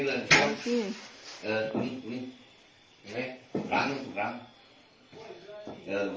ภารกิจต่อที่สุดมากกว่าด้วยกาลินกลับมาสูจน์